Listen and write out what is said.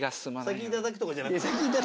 先頂くとかじゃない。